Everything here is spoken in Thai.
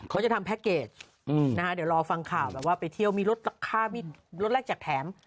เขาจะทำแพ็คเกจเดี๋ยวรอฟังข่าวแบบว่าไปเที่ยวมีรถค่ามีรถแรกแจกแถม